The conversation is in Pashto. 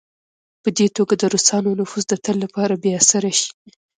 په دې توګه د روسانو نفوذ د تل لپاره بې اثره شي.